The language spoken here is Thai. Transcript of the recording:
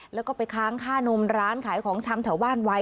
แล้วก็ไปค้างค่านมร้านขายของชำแถวบ้านไว้